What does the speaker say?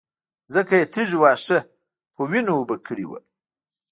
ځکه يې تږي واښه په وينو اوبه کړي وو.